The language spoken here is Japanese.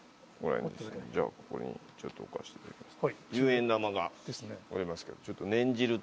ここにちょっと置かしていただきますね。